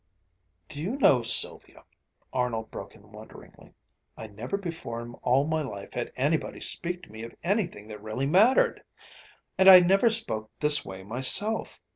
"Do you know, Sylvia," Arnold broke in wonderingly, "I never before in all my life had anybody speak to me of anything that really mattered. And I never spoke this way myself.